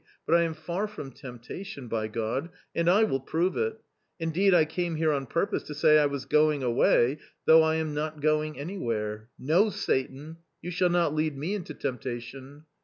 but I am far from temptation, by God, and I will prove it ; indeed I came here on purpose to say I was going away, though I am not going anywhere ! No, Satan, you shall not lead me into temptation